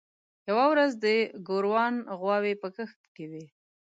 یوه ورځ د ګوروان غواوې په کښت کې وې.